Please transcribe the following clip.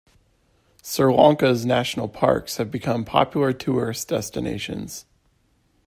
Sri Lanka's national parks have been become popular tourist destinations.